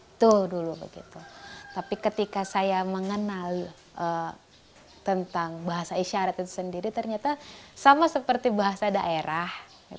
betul dulu begitu tapi ketika saya mengenal tentang bahasa isyarat itu sendiri ternyata sama seperti bahasa daerah